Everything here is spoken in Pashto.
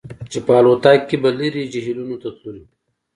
چې په الوتکه کې به لرې جهیلونو ته تللو